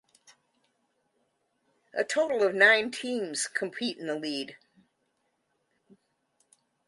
A total of nine teams compete in the league.